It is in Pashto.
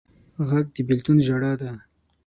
غږ د بېلتون ژړا ده